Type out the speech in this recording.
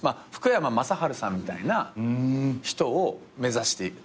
福山雅治さんみたいな人を目指して。